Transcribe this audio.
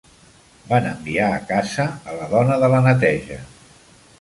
Van enviar a casa a la dona de la neteja.